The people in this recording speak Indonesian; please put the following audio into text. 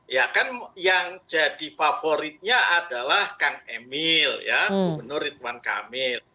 ya kan yang jadi favoritnya adalah kang emil ya gubernur ridwan kamil